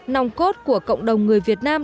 nong cốt của cộng đồng người việt nam